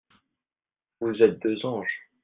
Vous êtes deux anges.